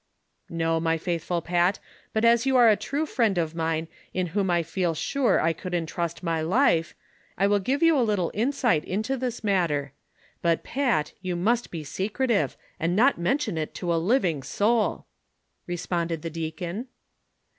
'' Xo, my faithful Pat ; but as you are a true friend of mine, in wliom I feel sure I could entrust my life, I will give you a little insight into this matter. But, Pat, you must be secretive, and not mention it to a living soul," responded the deacon.